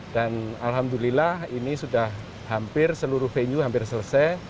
dan alhamdulillah ini sudah hampir seluruh venue hampir selesai